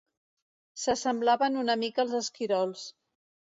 S'assemblaven una mica als esquirols.